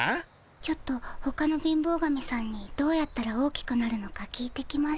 ちょっとほかの貧乏神さんにどうやったら大きくなるのか聞いてきます。